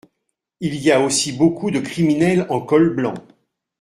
Il y a aussi beaucoup de criminels en col blanc.